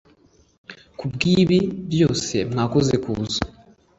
ku bw ibibi byose mwakoze kuza